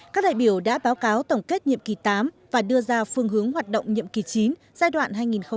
các đại biểu đã báo cáo tổng kết nhiệm kỳ tám và đưa ra phương hướng hoạt động nhiệm kỳ chín giai đoạn hai nghìn hai mươi một hai nghìn hai mươi năm